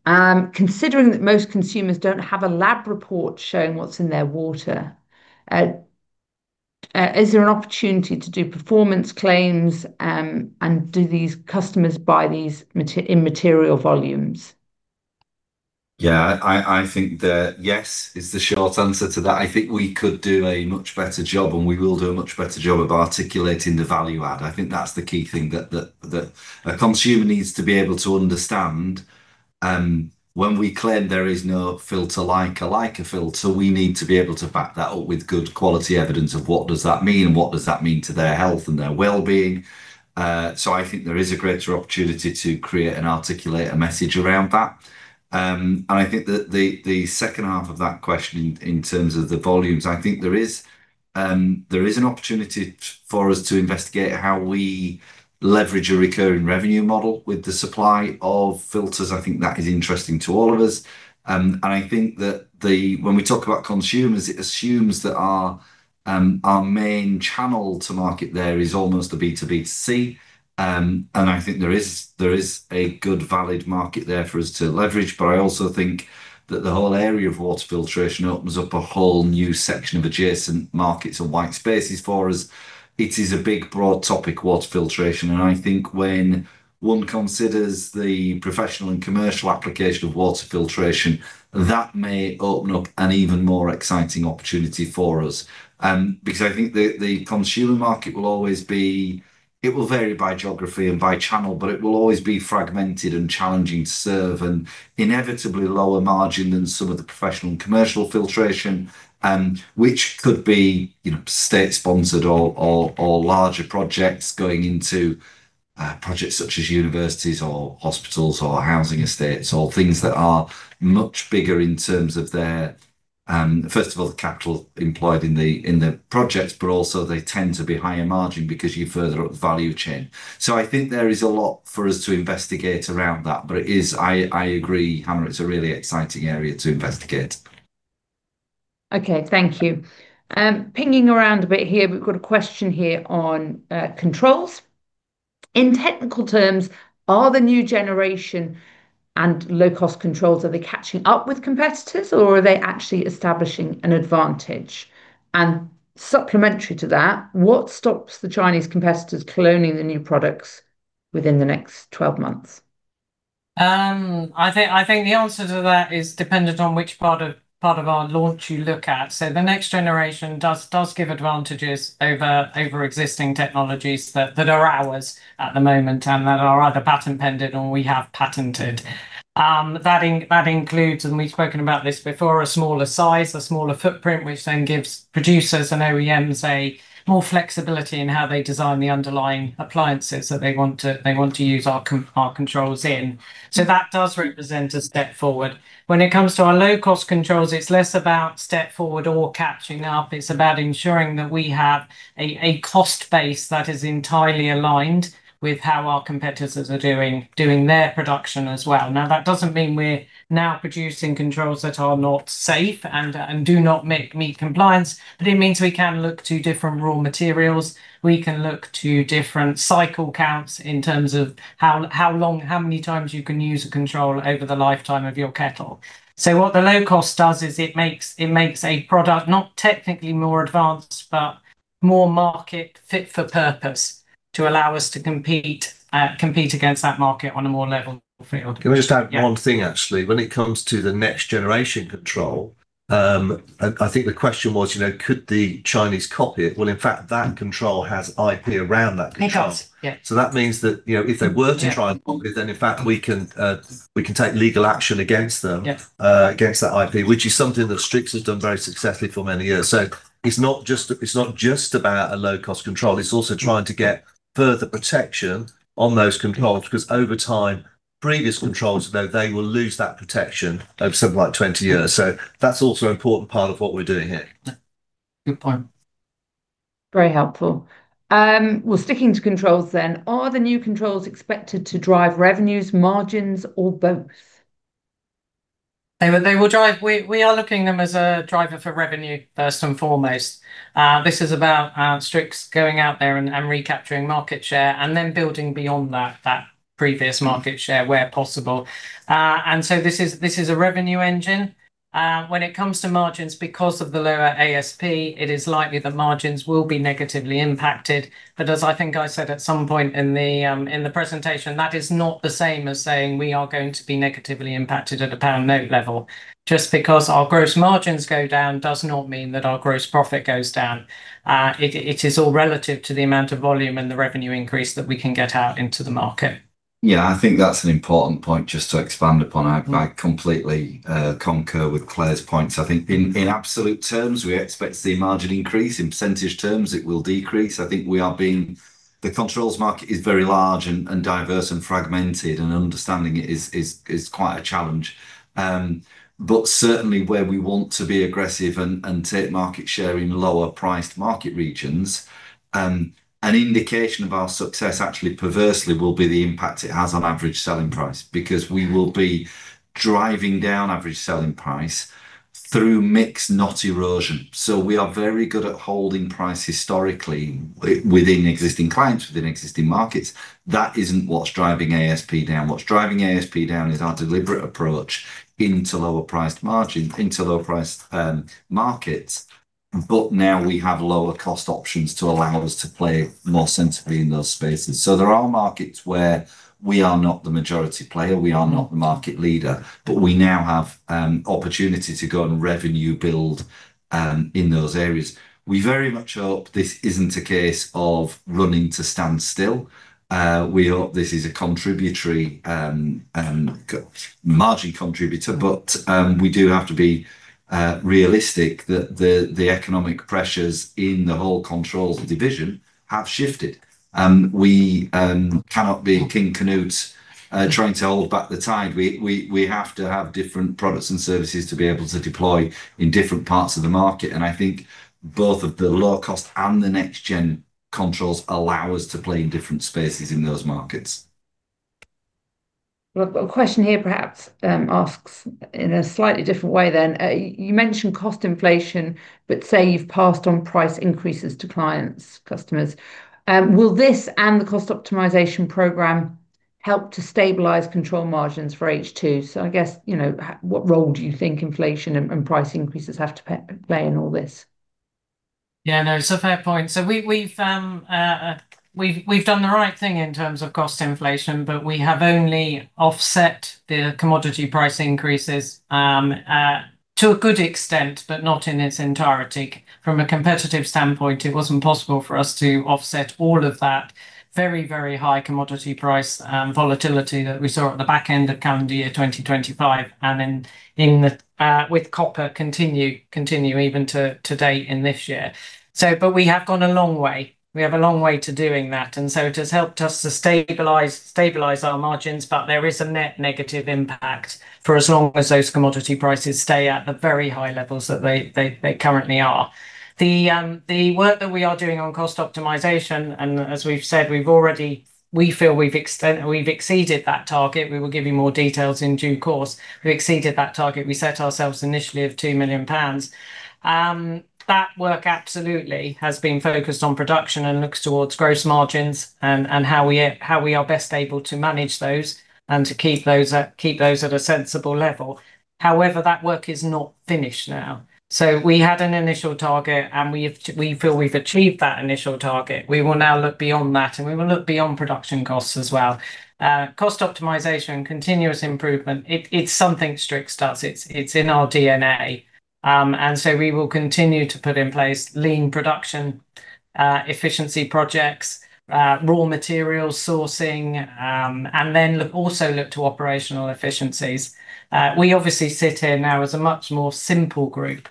Considering that most consumers don't have a lab report showing what's in their water, is there an opportunity to do performance claims? Do these customers buy these in material volumes? Yeah. I think that yes is the short answer to that. I think we could do a much better job, and we will do a much better job of articulating the value add. I think that's the key thing, that a consumer needs to be able to understand when we claim there is no filter like a LAICA filter, we need to be able to back that up with good quality evidence of what does that mean, and what does that mean to their health and their wellbeing. I think there is a greater opportunity to create and articulate a message around that. I think that the second half of that question in terms of the volumes, I think there is an opportunity for us to investigate how we leverage a recurring revenue model with the supply of filters. I think that is interesting to all of us. I think that when we talk about consumers, it assumes that our main channel to market there is almost a B2B to C. I think there is a good, valid market there for us to leverage. I also think that the whole area of water filtration opens up a whole new section of adjacent markets and white spaces for us. It is a big, broad topic, water filtration, I think when one considers the professional and commercial application of water filtration, that may open up an even more exciting opportunity for us. I think the consumer market will always be, it will vary by geography and by channel, but it will always be fragmented and challenging to serve and inevitably lower margin than some of the professional and commercial filtration, which could be state sponsored or larger projects going into projects such as universities or hospitals or housing estates or things that are much bigger in terms of their, first of all, the capital employed in the projects, but also they tend to be higher margin because you're further up the value chain. I think there is a lot for us to investigate around that, but it is, I agree, Hannah, it's a really exciting area to investigate. Okay. Thank you. Pinging around a bit here, we've got a question here on controls. In technical terms, are the new generation and low-cost controls, are they catching up with competitors or are they actually establishing an advantage? Supplementary to that, what stops the Chinese competitors cloning the new products within the next 12 months? I think the answer to that is dependent on which part of our launch you look at. The next generation does give advantages over existing technologies that are ours at the moment, and that are either patent pending or we have patented. That includes, and we've spoken about this before, a smaller size, a smaller footprint, which then gives producers and OEMs more flexibility in how they design the underlying appliances that they want to use our controls in. That does represent a step forward. When it comes to our low cost controls, it's less about step forward or catching up. It's about ensuring that we have a cost base that is entirely aligned with how our competitors are doing their production as well. That doesn't mean we're now producing controls that are not safe and do not meet compliance, but it means we can look to different raw materials. We can look to different cycle counts in terms of how many times you can use a control over the lifetime of your kettle. What the low cost does is it makes a product not technically more advanced, but more market fit for purpose to allow us to compete against that market on a more level field. Can I just add one thing, actually? When it comes to the next generation control, I think the question was, could the Chinese copy it? In fact, that control has IP around that control. It does, yeah. That means that if they were to try and copy it, then in fact we can take legal action against them. Yeah. Against that IP, which is something that Strix has done very successfully for many years. It's not just about a low cost control, it's also trying to get further protection on those controls, because over time, previous controls, though, they will lose that protection over something like 20 years. That's also an important part of what we're doing here. Good point. Very helpful. Well, sticking to controls then, are the new controls expected to drive revenues, margins, or both? They will drive. We are looking at them as a driver for revenue first and foremost. This is about Strix going out there and recapturing market share and then building beyond that previous market share where possible. This is a revenue engine. When it comes to margins, because of the lower ASP, it is likely that margins will be negatively impacted. As I think I said at some point in the presentation, that is not the same as saying we are going to be negatively impacted at a GBP level. Just because our gross margins go down does not mean that our gross profit goes down. It is all relative to the amount of volume and the revenue increase that we can get out into the market. Yeah, I think that's an important point just to expand upon. I completely concur with Clare's points. I think in absolute terms, we expect to see a margin increase. In percentage terms, it will decrease. I think the Controls market is very large and diverse and fragmented, and understanding it is quite a challenge. Certainly where we want to be aggressive and take market share in lower priced market regions, an indication of our success actually perversely will be the impact it has on average selling price. Because we will be driving down average selling price through mix, not erosion. We are very good at holding price historically within existing clients, within existing markets. That isn't what's driving ASP down. What's driving ASP down is our deliberate approach into lower priced markets. Now we have lower cost options to allow us to play more sensibly in those spaces. There are markets where we are not the majority player, we are not the market leader, we now have opportunity to go and revenue build in those areas. We very much hope this isn't a case of running to stand still. We hope this is a margin contributor, we do have to be realistic that the economic pressures in the whole Controls division have shifted. We cannot be King Canute trying to hold back the tide. We have to have different products and services to be able to deploy in different parts of the market, and I think both of the low cost and the next gen controls allow us to play in different spaces in those markets. I've got a question here perhaps asks in a slightly different way then. You mentioned cost inflation, say you've passed on price increases to clients, customers. Will this and the cost optimization program help to stabilize Controls margins for H2? I guess, what role do you think inflation and price increases have to play in all this? It's a fair point. We've done the right thing in terms of cost inflation, but we have only offset the commodity price increases, to a good extent, but not in its entirety. From a competitive standpoint, it wasn't possible for us to offset all of that very, very high commodity price volatility that we saw at the back end of calendar year 2025, and then with copper continue even to date in this year. We have gone a long way. We have a long way to doing that, it has helped us to stabilize our margins. There is a net negative impact for as long as those commodity prices stay at the very high levels that they currently are. The work that we are doing on cost optimization, and as we've said, we feel we've exceeded that target. We will give you more details in due course. We exceeded that target we set ourselves initially of 2 million pounds. That work absolutely has been focused on production and looks towards gross margins and how we are best able to manage those and to keep those at a sensible level. However, that work is not finished now. We had an initial target, and we feel we've achieved that initial target. We will now look beyond that, and we will look beyond production costs as well. Cost optimization and continuous improvement, it's something Strix does. It's in our DNA. We will continue to put in place lean production efficiency projects, raw material sourcing, and then also look to operational efficiencies. We obviously sit here now as a much more simple group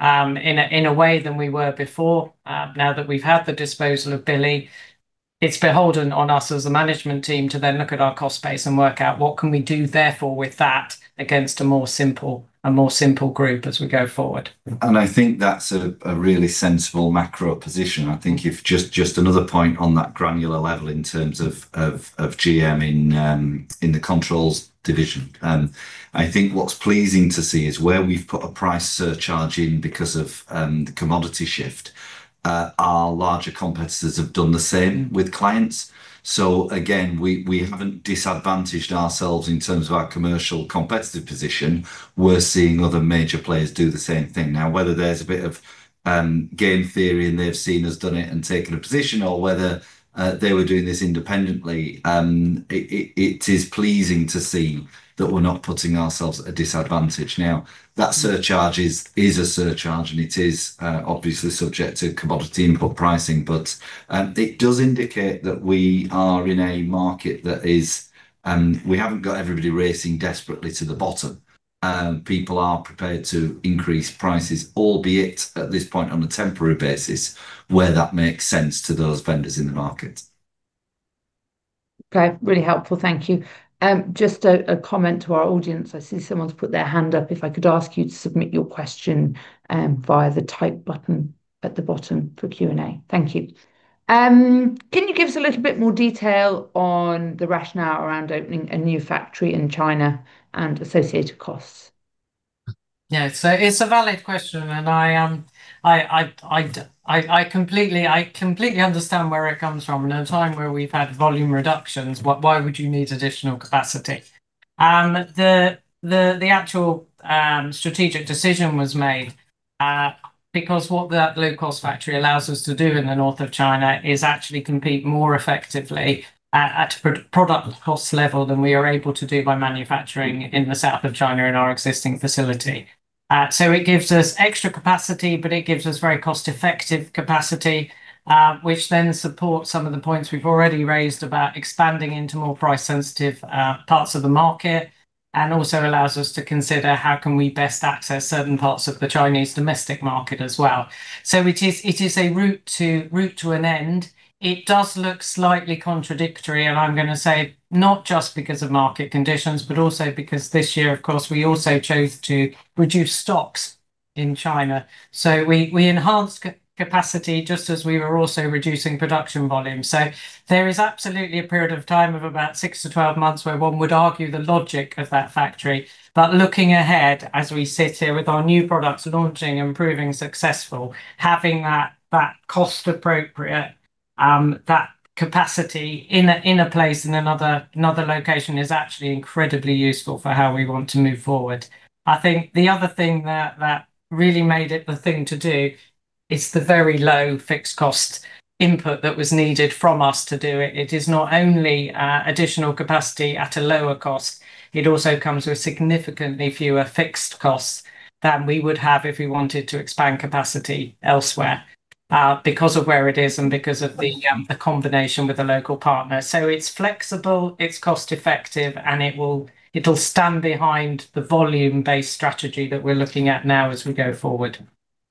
in a way than we were before. Now that we've had the disposal of Billi, it's beholden on us as a management team to then look at our cost base and work out what can we do therefore with that against a more simple group as we go forward. I think that's a really sensible macro position. I think if just another point on that granular level in terms of GM in the Controls division. I think what's pleasing to see is where we've put a price surcharge in because of the commodity shift. Our larger competitors have done the same with clients. Again, we haven't disadvantaged ourselves in terms of our commercial competitive position. We're seeing other major players do the same thing. Whether there's a bit of game theory and they've seen us done it and taken a position or whether they were doing this independently, it is pleasing to see that we're not putting ourselves at a disadvantage. That surcharge is a surcharge. It is obviously subject to commodity input pricing. It does indicate that we are in a market. We haven't got everybody racing desperately to the bottom. People are prepared to increase prices, albeit at this point, on a temporary basis, where that makes sense to those vendors in the market. Okay. Really helpful. Thank you. Just a comment to our audience. I see someone's put their hand up. If I could ask you to submit your question via the type button at the bottom for Q&A. Thank you. Can you give us a little bit more detail on the rationale around opening a new factory in China and associated costs? Yeah. It's a valid question. I completely understand where it comes from. In a time where we've had volume reductions, why would you need additional capacity? The actual strategic decision was made because what that low-cost factory allows us to do in the north of China is actually compete more effectively at a product cost level than we are able to do by manufacturing in the south of China in our existing facility. It gives us extra capacity. It gives us very cost-effective capacity, which then supports some of the points we've already raised about expanding into more price-sensitive parts of the market. It also allows us to consider how can we best access certain parts of the Chinese domestic market as well. It is a route to an end. It does look slightly contradictory. I'm going to say not just because of market conditions. Also because this year, of course, we also chose to reduce stocks in China. We enhanced capacity just as we were also reducing production volume. There is absolutely a period of time of about 6-12 months where one would argue the logic of that factory. Looking ahead as we sit here with our new products launching and proving successful, having that cost appropriate, that capacity in a place in another location is actually incredibly useful for how we want to move forward. I think the other thing that really made it the thing to do is the very low fixed cost input that was needed from us to do it. It is not only additional capacity at a lower cost, it also comes with significantly fewer fixed costs than we would have if we wanted to expand capacity elsewhere because of where it is and because of the combination with a local partner. It's flexible, it's cost-effective, and it'll stand behind the volume-based strategy that we're looking at now as we go forward.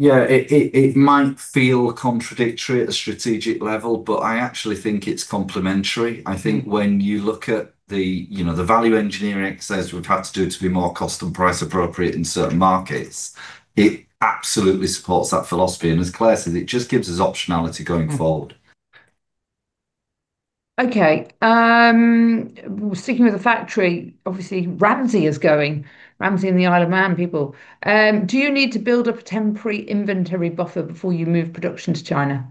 Yeah. It might feel contradictory at a strategic level, I actually think it's complementary. I think when you look at the value engineering exercise we've had to do to be more cost and price appropriate in certain markets, it absolutely supports that philosophy. As Clare said, it just gives us optionality going forward. Okay. Sticking with the factory, obviously Ramsey is going. Ramsey and the Isle of Man people. Do you need to build up a temporary inventory buffer before you move production to China?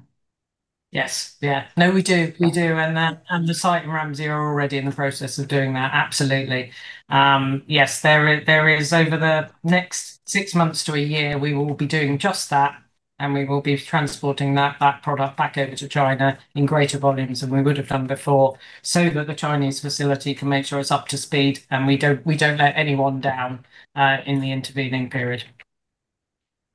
Yes. No, we do. We do. The site and Ramsey are already in the process of doing that. Absolutely. Yes. There is over the next six months to a year, we will be doing just that, and we will be transporting that product back over to China in greater volumes than we would have done before, so that the Chinese facility can make sure it's up to speed, and we don't let anyone down in the intervening period.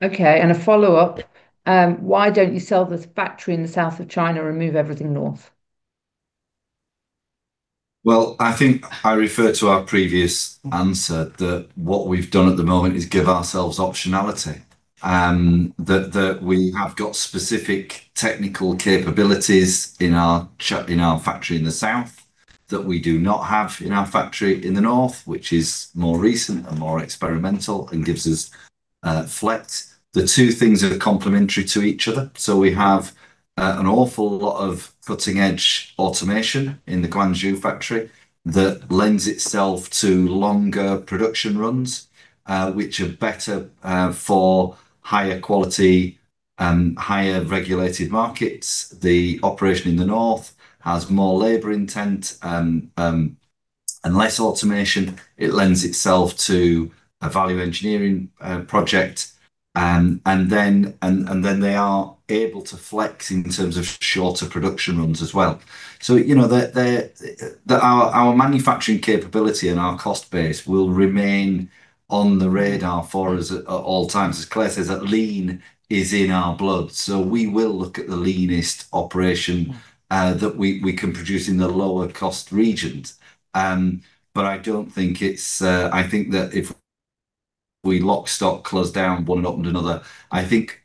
Okay. A follow-up, why don't you sell this factory in the south of China and move everything north? Well, I think I refer to our previous answer that what we've done at the moment is give ourselves optionality. We have got specific technical capabilities in our factory in the south that we do not have in our factory in the north, which is more recent and more experimental and gives us flex. The two things are complementary to each other. We have an awful lot of cutting-edge automation in the Guangzhou factory that lends itself to longer production runs, which are better for higher quality, higher regulated markets. The operation in the north has more labor intent and less automation. It lends itself to a value engineering project. They are able to flex in terms of shorter production runs as well. Our manufacturing capability and our cost base will remain on the radar for us at all times. As Clare says, lean is in our blood, we will look at the leanest operation that we can produce in the lower cost regions. I think that if we lock stock close down one and opened another, I think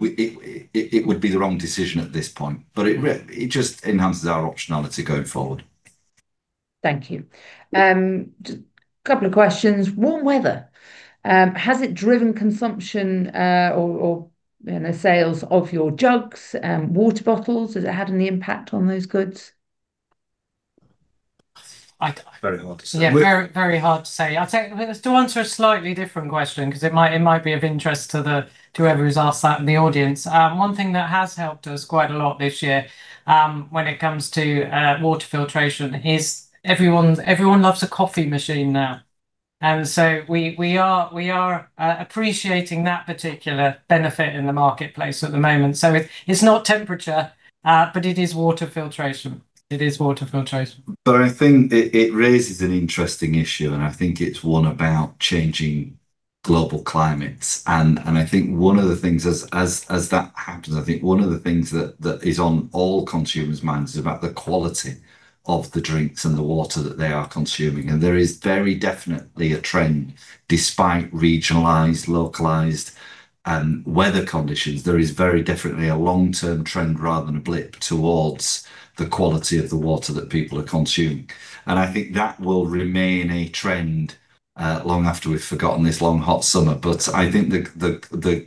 it would be the wrong decision at this point. It just enhances our optionality going forward. Thank you. Just couple of questions. Warm weather, has it driven consumption or sales of your jugs, water bottles? Has it had any impact on those goods? Very hard to say. Yeah, very hard to say. I'll tell you, to answer a slightly different question, because it might be of interest to whoever has asked that in the audience. One thing that has helped us quite a lot this year, when it comes to water filtration, is everyone loves a coffee machine now. we are appreciating that particular benefit in the marketplace at the moment. it's not temperature, but it is water filtration. It is water filtration. I think it raises an interesting issue, and I think it's one about changing global climates. I think one of the things as that happens, I think one of the things that is on all consumers' minds is about the quality of the drinks and the water that they are consuming. there is very definitely a trend despite regionalized, localized weather conditions. There is very definitely a long-term trend rather than a blip towards the quality of the water that people are consuming. I think that will remain a trend, long after we've forgotten this long hot summer. I think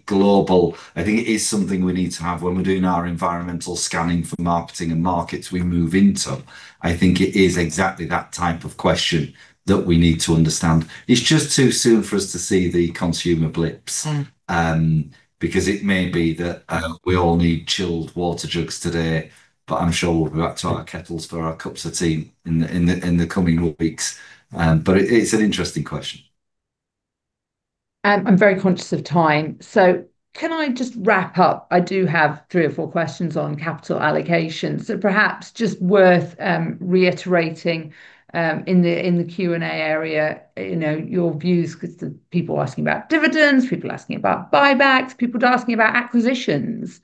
it is something we need to have when we're doing our environmental scanning for marketing and markets we move into. I think it is exactly that type of question that we need to understand. It's just too soon for us to see the consumer blips. it may be that we all need chilled water jugs today, but I'm sure we'll be back to our kettles for our cups of tea in the coming weeks. it's an interesting question. I'm very conscious of time. Can I just wrap up? I do have three or four questions on capital allocations. Perhaps just worth reiterating in the Q&A area your views, because the people asking about dividends, people asking about buybacks, people asking about acquisitions.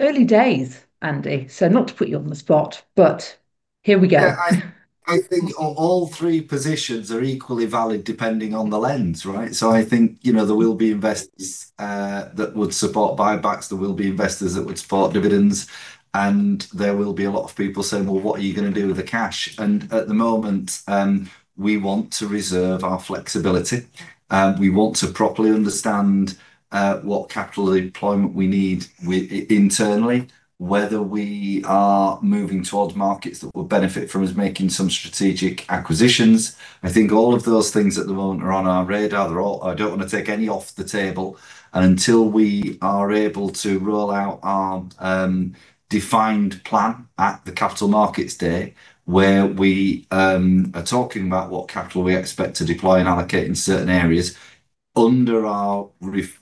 Early days, Andy, so not to put you on the spot, but here we go. I think all three positions are equally valid depending on the lens, right? I think there will be investors that would support buybacks, there will be investors that would support dividends, and there will be a lot of people saying, "Well, what are you going to do with the cash?" At the moment, we want to reserve our flexibility. We want to properly understand what capital deployment we need internally, whether we are moving towards markets that will benefit from us making some strategic acquisitions. I think all of those things at the moment are on our radar. I don't want to take any off the table until we are able to roll out our defined plan at the Capital Markets Day, where we are talking about what capital we expect to deploy and allocate in certain areas under our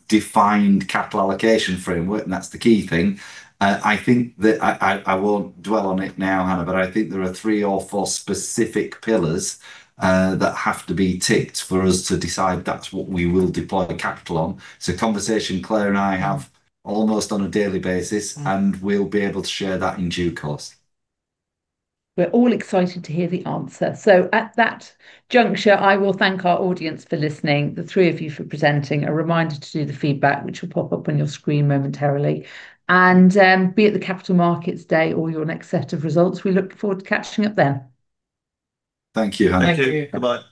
defined capital allocation framework, and that's the key thing. I won't dwell on it now, Hannah, but I think there are three or four specific pillars that have to be ticked for us to decide that's what we will deploy capital on. It's a conversation Clare and I have almost on a daily basis, and we'll be able to share that in due course. We're all excited to hear the answer. At that juncture, I will thank our audience for listening, the three of you for presenting. A reminder to do the feedback, which will pop up on your screen momentarily. Be at the Capital Markets Day or your next set of results. We look forward to catching up then. Thank you, Hannah. Thank you. Goodbye.